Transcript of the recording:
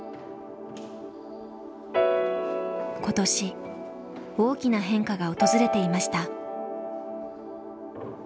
今年大きな変化が訪れていました。